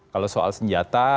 kalau soal senjata